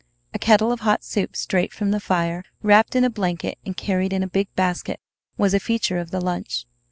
A kettle of hot soup straight from the fire, wrapped in a blanket and carried in a big basket, was a feature of the lunch.